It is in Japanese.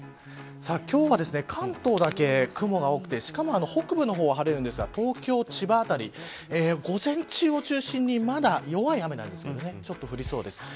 今日は、関東だけ雲が多くてしかも北部の方は晴れるんですが東京、千葉辺り、午前中を中心にまだ、弱い雨なんですけどちょっと降りそうです。